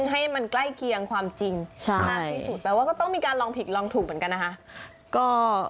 ให้มันใกล้เคียงความจริงมากที่สุดแปลว่าก็ต้องมีการลองผิดลองถูกเหมือนกันนะคะ